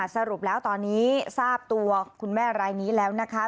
สรุปแล้วตอนนี้ทราบตัวคุณแม่รายนี้แล้วนะคะ